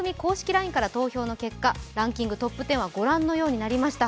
ＬＩＮＥから投票の結果、ランキングトップ１０はご覧のようになりました。